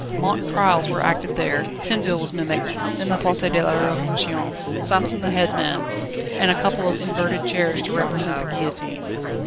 Mock trials were acted there; Tinville was mimicked; then the Place de la Révolution; Samson the headsman, with a couple of inverted chairs to represent the guillotine.